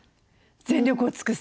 全力を尽くす。